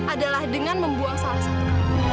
adalah dengan membuang salah satu